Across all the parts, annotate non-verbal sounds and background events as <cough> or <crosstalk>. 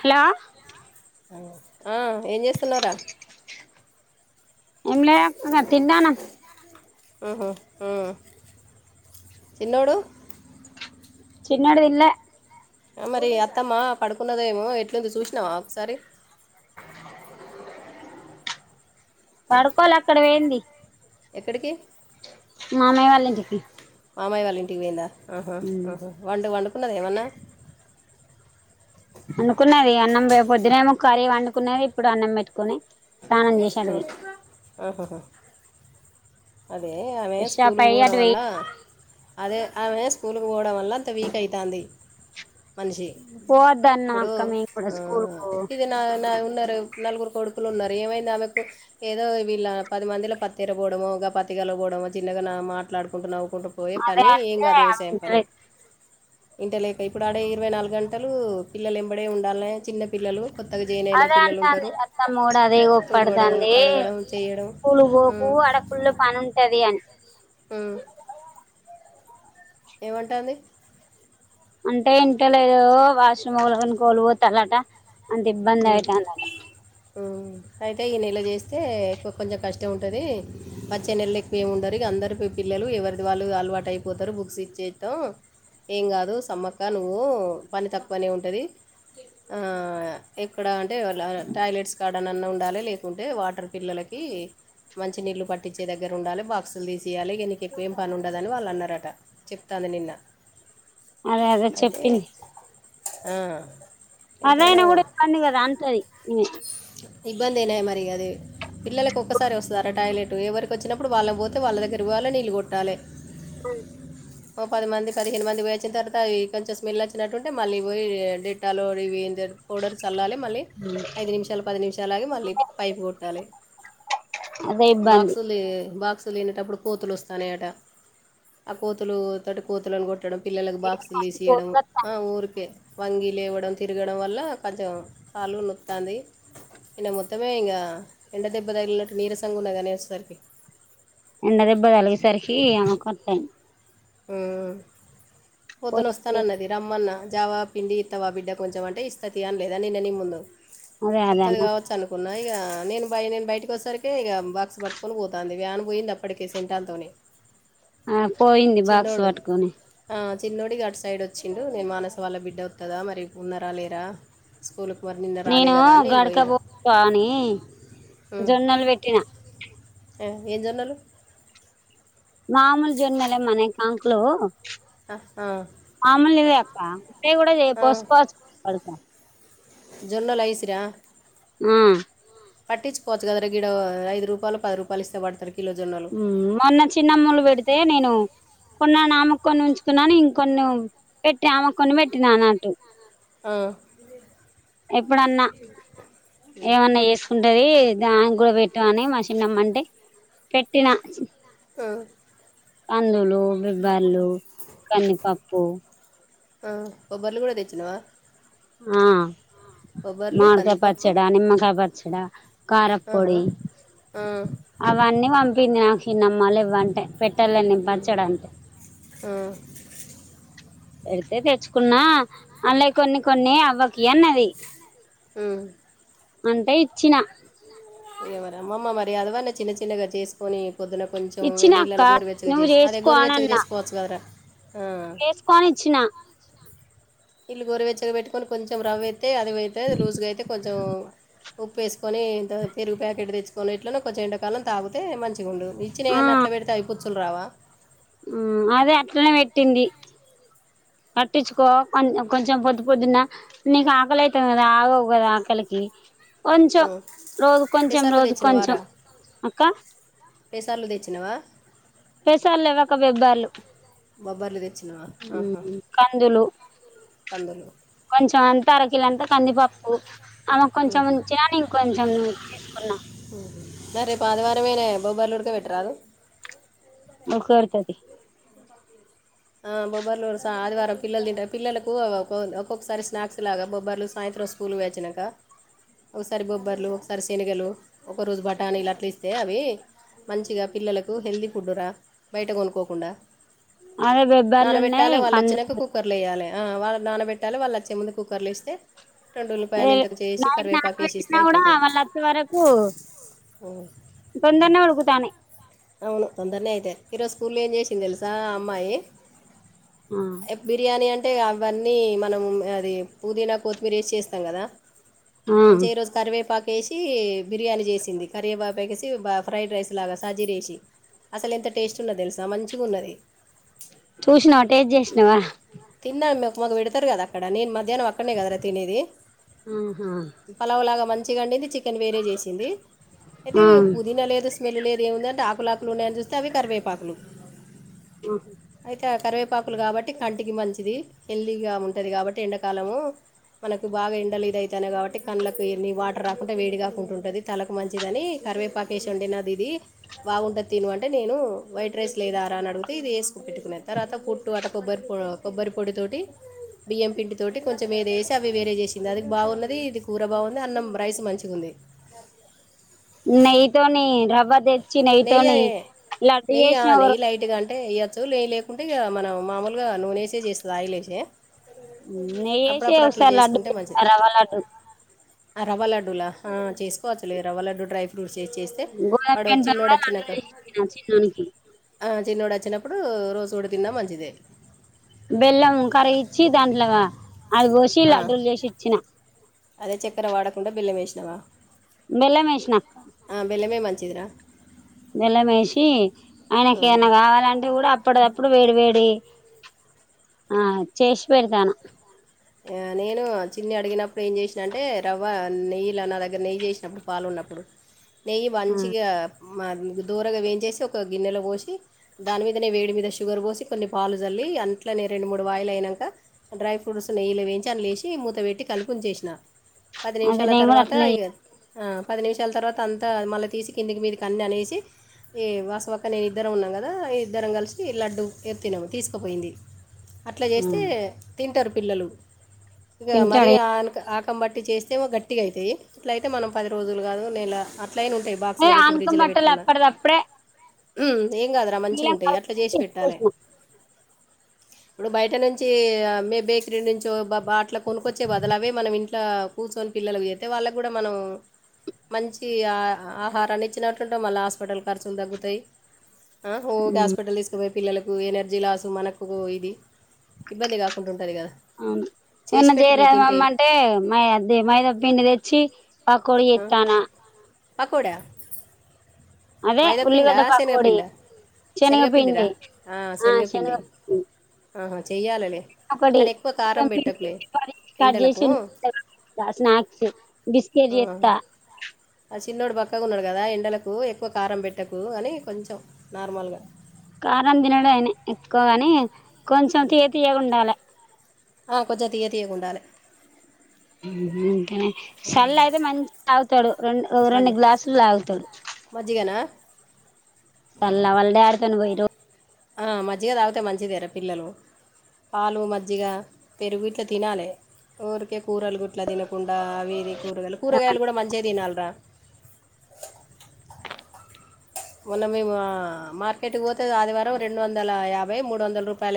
Hello ఆ ఏం చేస్తున్నావురా ఎంలే కా తిన్నాను ఆహా ఆ చిన్నోడు చిన్నోడు తిన్లే మరి అత్తమ్మా పడుకున్నదేమో ఎట్లుంది చూసినావా ఒకసారి పడుకోలే అక్కడ పోయింది ఎక్కడికి మామయ్య వాళ్ళ ఇంటికి మామయ్య వాళ్ళ ఇంటికి పోయిందా వంట వండుకున్నద ఏమన్న? అండున్నది అన్నం పొద్దున్నేమో కరీ వండుకున్నది ఇప్పుడు అన్నం పెట్టుకుని ఆ ఆహహా అదే ఆమె ఫ్రెష్ స్కూలు అప్ కు అయ్యి పోవడం అటు పోయి వల్ల అదే ఆమె స్కూల్కి పోవడం వల్ల అంత వీక్ ఐతంది మనిషి పోవద్దన్నాం ఇప్పుడు అక్క మేము కూడా ఆ స్కూల్ కు ఉట్టి తిన్న అన్న ఉన్నర్ డు నలుగురు కొడుకులు ఉన్నారు ఏమైంది ఆమెకు ఏదో వీళ్ళ పది మందిలో పత్తిర పోడమో గా పత్తి గల పోవడమో చిన్నగా మాట్లాడుకుంట నవ్వు కుంటూ పోయే అదే పని ఏం అంటే కాదు వ్యవసాయం పని ఇంట లేక ఇప్పుడు ఆడే ఇరవై నాలుగు గంటలు పిల్లలు ఎంబడే ఉండాలనయే చిన్న పిల్లలు కొత్తగా జాయిన్ అయిన అదే పిల్లలు అంటాది ఉంటారు అత్తమ్మ కూడా అదే తుడవడం ఒప్పడతంది. దే కడగడం చేయడం పూలు పోకు అడ ఫుల్లు పని ఉంటది అని ఊ ఏమంటంది అంటే ఇంట లేదు ఓ వాష్రూమ్ ఓలానికి ఒకలు పోతలట అంటే ఇబ్బంది ఐతందట. ఊ అయితే ఈ నెల చేస్తే ఎక్కు కొంచెం కష్టం ఉంటది వచ్చే నెల ఎక్కువ ఏమం ఉండరు ఇక అందరు పి పిల్ల లు ఎవరిది వాళ్ళు అలవాటు అయిపోతారు బుక్స్ ఇచ్చేతం ఏం కాదు సమ్మక్క నువ్వు పని తక్కువనే ఉంటది ఆ ఎక్కడ అంటే ఆ టాయిలెట్స్ కాడనన్న ఉండాలి లేకుంటే వాటర్ పిల్లలకి మంచి నీలు పట్టించే దగ్గర ఉండాలి బాక్సులు తీసియాలి ఇగ నీకు ఎక్కువ ఏం పని ఉండదని వాళ్ళు అన్నారట చెప్తం ది నిన్న అదే అదే అయితే చెప్పింది ఆ అదయ్నా కూడా ఎంతైనా ఇబ్బంది కదా అంటది మీ ఇబ్బందేనా మరి అది పిల్లలకు ఒకసారి వస్తారా టాయిలెటు ఎవరికి వచ్చినప్పుడు వాళ్ళ దగ్గరికి పోవాలి నీళ్లు కొట్టాలి. అ ఓ పది మంది పదిహేను మంది పోయి వచ్చిన తర్వాత ఈ కొంచెం స్మెల్ వచ్చినట్టుంటే మళ్ళీ పోయి డట్టాలో రివెంజర్ పౌడర్ చల్లాలి మళ్ళీ ఐదు నిమిషాల్ పది నిమిషాలాగి మళ్ళీ పైపు కొట్టాలి అదే ఇబ్బంది బాక్సులు దీ బాక్సులు తినేటప్పుడు కోతులు వస్తాన్నాయట ఆ కోతులు తోటి కోతులను కొట్టడం పిల్లలకు బాక్సులు తీసియడము ఆ ఊరికే వంగి లేవడం తిరగడం వల్ల కొంచెం కాలు నొతంది ఇన్న మొత్తమే ఇంకా ఎండ దెబ్బ తగిలిన్నట్టు నీరసంగున్నగా నే అచ్చేసరికి ఎండ దెబ్బ తగిలేసరికి ఆమెకు అట్ల ఐంది పొద్దున పోయి వస్తానన్నది రమ్మన్న జావాబు పిండి ఇతవా బిడ్డ కొంచెం అంటే ఇస్త తీయ్ అన లేదా నీ ముందు అదే అదే ఒత్తది అన్న కావచ్చు అనుకున్న ఆ ఇక నేను బయ నేను బయటకి వచ్చేసరికి ఇక బాక్స్ పట్టుకొని పోతంది వ్యాన్ పోయింది అప్పటికే సెంటన్ తోని ఆ పోయింది బాక్స్ పట్టుకొని చిన్నోడి ఇగ అటు సైడ్ వచ్చిండు నేను మానస వాళ్ళ బిడ్డ ఒతదా మరి ఉన్నరా లేరా స్కూల్కి మరి నిన్న రాలే నేను కదా అని నేను గడక పోయినా బువ్వ అని జొన్నలు పెట్టినా ఆ ఏ జొన్నలు మాములు జొన్నలే మన కంకులు ఆహా తాగుతే కూడా ఏ పోసుకోవచ్చ జొన్నలు ఐసిరా ఆ పట్టించుకోవచ్చ కదా రా గిడ ఐదు రూపాయలు పది రూపాయలు ఇస్తే పడతారు కిలో జొన్నలు ఉ మొన్న చిన్నమ్మోలు పెడితే నేను కొన్నా నా అమ్మ కొన్ని ఉంచుకున్నాను ఇంకొన్ని పెట్టి అమ కొన్ని పెట్టినా అ అటు ఆ ఎప్పుడన్నా ఏమన్నా చేసుకుం ఉంటది దాని కూడా పెట్టు అని మా చిన్నమ్మంటే పెట్టిన ఆ కందులు, బిబ్బళ్లు, కందిపప్పు ఆ బోబ్బర్లు కూడా తెచ్చినవా ఆ మామిడి కాయ కందిపప్పు పచ్చడా, నిమ్మకాయ పచ్చడా, కారం ఆహా. పొడి ఆ, అవన్నీ పంపింది నాకి పిన్నమ్మ లేవ్వంటే పెట్టాలని ఉమ్, పచ్చడా అంటే ఆ, పెడితే తెచ్చుకున్నా అందులో కొన్ని కొన్ని అవ్వకి అన్నది ఉ అంటే ఇచ్చిన ఏవరు అమ్మమ్మ మరి అదివన్న చిన్న చిన్నగా చేసుకొని పద్దున కొంచం ఇచ్చిన అక్క నీళ్ళలు గోరువేచ్చగా నువ్వు చేసి ఆ. చేసుకోనిచ్చినా నీల్లు గోరవెచ్చగా పెట్టుకొని కొంచెం రవ్వ ఎత్తే అది <unintelligible> లూజుగా అయితే కొంచెం ఉప్పు వేసుకొని ఇంత పెరుగు ప్యాకెట్ తెచ్చుకొని ఇట్లనే కొంచెం ఎండాకాలం తాగితే మంచి గుండు ఇచ్చిన ఆ వన్నీ అట్లే పెడితే అయి పుచ్చులు రావా అదే అట్లనే పెట్టింది పట్టించుకో కొంచెం పొద్దు పొద్దున నీకు ఆకలి అయితుంది కదా ఆగవు కదా ఆకలికి కొంచెం ఆ. రోజు కొంచెం పెసర్లు రోజు కొంచెం అక్క పేసర్లు తెచ్చినవా పెసలు లేవు అక్క బెబ్బర్లు బబ్బర్లు తెచ్చినావా ఆహా కందులు కందులు తరకిల అంతా కందిపప్పు ఆమెకు కొంచెం ఉంచినా నేను కొంచం ఉహు రేపు ఆదివారం నే నాయే బొబ్బర్లు ఉడక పెట్టరాదు ఉడక బెడతా తీ ఆ బొబ్బర్లు ఆదివారం పిల్లలు తింటారు పిల్లలకు ఒక్కొక్కసారి స్నాక్స్ లాగా బొబ్బర్లు సాయంత్రం ఈ రోజు స్కూల్ పోయేవచ్చినాక ఒకసారి బొబ్బర్లు, ఒకసారి శనగలు, ఒక రోజు బటానీలు, అట్లా ఇస్తే అవి మంచిగా పిల్లలకు హెల్తీ ఫుడ్ రా బయట కొనుక్కోకుండా అదే బెబ్బర్లు ఉన్నాయి నానబెట్టాలి వాళ్ళు వచ్చినాక కందులు కుక్కర్ వేయాలి ఆ వాళ్ళు నానబెట్టాలి వాళ్ళు వచ్చే ముందు కుక్కర్లో ఏస్తే ఏయ్ నైట్ నాన వేసి ఇస్తే పెట్టిిన కూడా అయిపోతుంది వాళ్ళు వచ్చే వరకు తొందరనే ఉడుకుతన్నాయి అవును తొందరనే అయితే ఈరోజు స్కూల్ ఏం చేసింది తెలుసా ఆ అమ్మాయి ఆ బిర్యాని <unintelligible> అంటే అవన్నీ మనం అది పుదీనా కొత్తిమీర వేసి చేస్తాం కదా ఆ మంచి ఏ రోజు కరివేపా ఏసి బిర్యానీ చేసింది కరివేపాకు ఫ్రైడ్ రైస్ లాగ సాజీరేసి అసలు ఎంత టేస్ట్ ఉన్న తెలుసా మంచిగా ఉన్నది చూసినావ టెస్ట్ చేసినావా తిన్నాను మాకు మాకు పెడతారు కదా అక్కడ నేను మధ్యాహ్నం అక్కడనే కదరా తినేది ఆహా చికెన్ లేదు చికెన్ వేరే చేసింది అయితే ఆ పుదీన లేదు స్మెల్ లేదు <unintelligible> పపలాకులున్నాయని చూస్తే అవి కరివేపాకులు అ ఇ కరివేపాకులు కాబట్టి కంటికి మంచిది హెల్దీగ ఉంటది కాబట్టి ఎండాకాలము మనకు బాగ ఎండలు ఇద అైతానా యి కాబట్టి కళ్ళలకు ఎన్ని వాటర్ రాకుంటడా వేడి కాకుంటది తలకు మంచిది అని కరివేపాకు వేసి ఉండి నాదీదీ బాగుంటాది తిను అంటే నేను వైట్ రైస్ లేదారా అని అడిగితే ఇది వేసుకు పెట్టుకునే తర్వాత పుట్టు అటు కొబ్బరి పో కొబ్బరి పొడి తోటి బియ్యం పిండి తోటి కొంచెం ఏదో వేసి అవి వేరే చేసింది అది బాగున్నది ఇది కూర బాగుంది అన్నం రైస్ మంచిగా ఉంది నెయ్యతోని రవ్వ తెచ్చి నెయితోని నెయ్యి లడ్డు నెయ్యి చేసిన నెయ్యి లైట్గా అంటే వేయ్యొచ్చు లే ఏం లేకుంటే ఇ మనం మామూలుగా నూనెేసే చేస్తుంది ఆయిల్ వేసే నెయ్యి యేసే అప్పుడప్పుడు అట్లా ఒకసారి లడ్డు <inaudible> రవ్వ లడ్డు రవ్వలడ్డూల చేసుకోవచ్చులే రవ్వ లడ్డు డ్రై ఫ్రూట్స్ వేసి చేస్తే గోధుమ పిండితో చిన్నోడు కూడా లడ్డు వచ్చినాక చేసి ఇచ్చిన చిన్నోనికి చిన్నోడు వచ్చినప్పుడు రోజు కూడ తిన్నా మంచిదే బెల్లం కరిగిఇచ్చి దాంట్లో అది పోసి ఆ, లడ్డూలు చేసి ఇచ్చిన అదే చక్కెర వాడకుండా బెల్లం వేసినావా బెల్లం ఏసిన ఆ, బెల్లమే మంచిదిరా బెల్లమేసి ఆయనకి ఆ. <unintelligible> కావాలంటే కూడా <unintelligible> అప్పుడు వేడి వేడి ఆ చేసి పెడతాను నేను చిన్ని అడిగినప్పుడు ఏం చేసిన అంటే రవ్వ నెయ్యిల నా దగ్గర నెయ్యి చేసినప్పుడు పాలున్న అప్పుడు నెయ్యి మంచిగా దూరగా వేయించేసి ఒక గిన్నెలో పోసి దాని మీదనే వేడి మీద షుగర్ పోసి కొన్ని పాలు చల్లి అంట్లో నే రెండు మూడు వాయిలు అయినాక డ్రై ఫ్రూట్స్ నెయ్యలు వేయించి అని లేసి మూత పెట్టి కలిప ఉంచేసిన పది అది నిమిషాల నేను కూడా తర్వాత అట్లనే ఇగ పది నిమిషాల తర్వాత అంతా మళ్ళీ తీసి కిందికి మిందకి అన్నీ అనేసి ఏ వాస వక్క నేను ఇద్దరం ఉన్నాం కదా ఇద్దరం కలిసి లడ్డు ఎరు తన్నాము తీసుకుపోయింది అట్ల చేస్తే చేస్తాను తింటరు పిల్లలు తింటాడు కబట్టి చేస్తే గట్టిగా అవుతాయి ఇట్ల అయితే మనం పది రోజులు కాదు నేల <unintelligible> ఉంటాయి బాక్స్ ఏ లో పెట్టి ఆనకం ఫ్రిడ్జ్ లో బట్టలు పెట్టుకున్న అప్పటిదప్పుడే ఏం కాదురా మంచిగా బెల్లం ఉంటాయి అట్లా చేసి కరిగిచ్చి పెట్టాలే ఇచ్చేసిన. ఇప్పుడు బయట నుంచి మే <unintelligible> డి నుంచో అట్లా కొనుక్కొచ్చే పిల్లలకు చేస్తే అవే మనం ఇంట్లో కూర్చొని పిల్లలకు చేతే వాళ్ళకి కూడా మనం మంచి ఆ ఆహారాన్ని ఇచ్చినట్లుంటే మళ్ళ హాస్పిటల్ ఖర్చులు తగ్గుతాయ్ ఊరికే ఉమ్. హాస్పిటల్ కి తీసుకుపోయి పిల్లలకు ఎనర్జీ లాసు మనకు ఇది ఇబ్బంది కాకుండా ఉంటది కదా అవును చేసి ఏమన్నా పెట్టులే తింటే చేయరదమ్మ అంటే మై మైదా పిండి తెచ్చి పక్కోడికి ఆ, యితన్నా పకోడా అదే మైదాపిండా ఉల్లిగడ్డ పకోడి శనగపిండా శనగపిండిరా శనగపిండి ఆ శనగపిండి ఆహా చెయ్యాలలే కానీ ఎక్కువ కారం <unintelligible> పెట్టకులే ఎండలకు స్నాక్స్ బిస్కెట్ ఆ, చెత్త ఆ చిన్నోడు బక్కగా ఉన్నాడు కదా ఎండలకు ఎక్కువ కారం పెట్టకు అని కొంచెం నార్మల్గా కారం తినడుఅయినా ఎక్కువగాని కొంచెం తియ్య తియ్యగుండాలి ఆ కొంచెం తియ్య తియ్యగా ఉండాలి సర్లే అయితే మంచిగా తాగుతాడు రెండు రెండు మజ్జి గ్లాసులు ఆగుతాడు మజ్జిగనా <unintelligible> ఆ మజ్జగ తాగితే మంచిదేరా పిల్లలు పాలు మజ్జిగ పెరుగిట్లు తినాలి ఊరికే కూరలు గుట్లా తినకుండా అవి కూరగాయలు కూరగాయలు కూడా మంచిగా తినాలిరా మొన్న మేము మార్కెట్కి పోతే ఆదివారం రెండు వందల యాభై మూడు వందల రూపాయల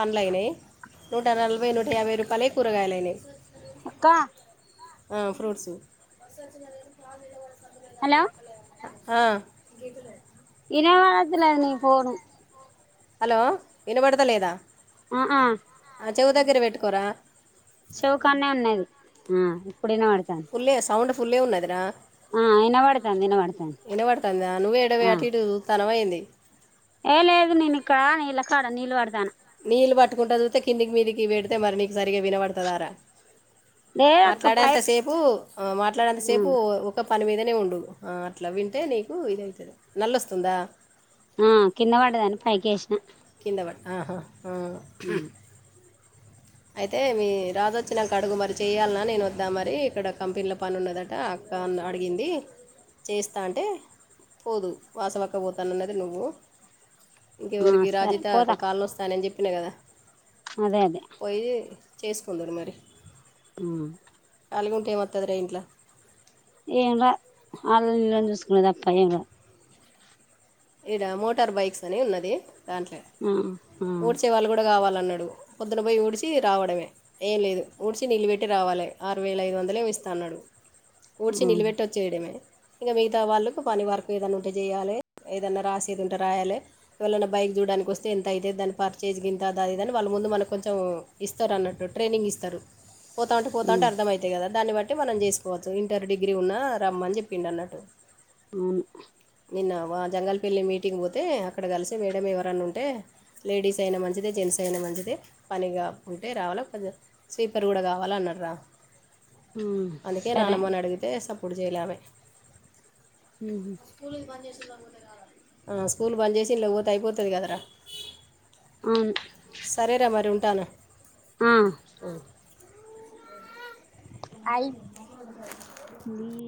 పంలయినాయి నూట నలభై నూట యాభై రూపాయలే కూరగాయలనాయి అక్కా ఆ ఫ్రూట్స్ హలో ఆ వినబడత లేదు నీ ఫోన్ హలో వినబడత లేదా ఉ ఉ చెవ్వు దగ్గర పెట్టుకోరా చెవ్వు కాడనే ఉన్నది ఆ ఇప్పుడు వినపడుతుంది ఫుల్ ఉన్నదిరా ఇనబడతాంది ఇనబడతాంది వినపడతుందా నువ్వే ఎడ పోయి ఆ అటు ఇటు చిత్తాన్నవ ఏంటి ఏ లేదు నేను ఇక్కడ ఇళ్ల కాడ నీళ్ళు పడతన్న నీళ్ పట్టుకుంట చూస్తే కిందికి మీదికి పడితే మరి నీకు సరిగా వినబడుతదారా లేదు అక్క మాట్లాడేంత పైప్ సేపు మాట్లాడేంత సేపు ఒక పని మీదనే ఉండువు అట్లా వింటే నీకు ఇది అయితది నల్లొస్తుందా ఆ కింద పడ్డదని పైకి వేసిన కింద పడి ఆహా ఆ అయితే మీ రాదొచ్చినకు అడుగు మరి చెయ్యాలన్నా నేను వద్దాం మరి ఇక్కడ కంపెనీలో పని ఉన్నదట కా అడిగింది చేస్తా అంటే పోదు వాసవక్క పోతానన్నది నువ్వు ఇంక ఆ ఎవరికి సరే రాజీత పోతా కళ్ళ వస్తానని చెప్పినా కదా అదే అదే పోయి చేసుకుందురు మరి ఉమ్ కాళీఉంటే ఏం వస్తాది రా ఇంట్లో ఏమ్ రావ్ వాళ్ళని వీళ్ళని చూసుకునే తప్ప ఏమ్ రావ్ ఇడ మోటార్ బైక్స్ అని ఉన్నది దాంట్లో ఆ ఆ ఊడ్చే వాళ్ళు కూడా కావాలి అన్నాడు పొద్దు పోయి ఊడ్చి రావడమే ఏం లేదు ఊడ్చి నీళ్లు పెట్టి రావాలి ఆరు వేల ఐదు వందలే ఏమో ఇస్తా అన్నాడు ఊడ్చి ఆ నిలబెట్టి వచ్చేయడమే ఇంకా మిగతా వాళ్ళకు పని వరకు ఏదైనా ఉంటే చేయాలి ఏదన్నా రాసేది ఉంటే రాయాలి ఇవళన్నా బైక్ చూడానికి వస్తే ఎంత అయితే దాని పర్చేజ్ గింత దాదిద అని వాళ్ళు ముందు మనకు కొంచెం ఇస్తారు అన్నట్టు ట్రైనింగ్ ఇస్తారు పోతా ఉంటే పోతా ఉంటే అర్థంమవుతయి కదా దాన్ని బట్టి మనం చేసుకోవచ్చు ఇంటర్ డిగ్రీ ఉన్నా రమ్మని చెప్పిండు అన్నట్టు ఉమ్ నా వా జంగల్ పెళ్లి మీటింగ్ పోతే అక్కడ కలిసి మేడ ఎవరన్నా ఉంటే లేడీస్ అయినా మంచిదే జెంట్స్ అయినా మంచిదే పనిగా ఉంటే రావాలా పని చేసే సిపర్ కూడా కావాలి అన్నారా అందుకే సరే నానమ్మని అడిగితే ఫుడ్ చేయాల ఆమె ఆ స్కూల్ బంద్ చేసి ఇండ్లకు పోతే అయిపోతాది కద రా అవును సరేరా మరి ఉంటాను ఆ ఆయి